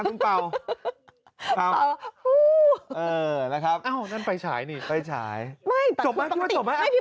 เราเป่าไปสุดแรงเต็มแรงนะให้รู้ว่าเราเป่าแล้วนะอะไรอย่างนี้